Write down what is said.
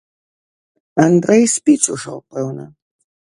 Андрэй спіць ужо, пэўна.